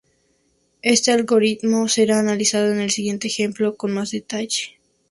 Este algoritmo será analizado en el siguiente ejemplo con más detalle.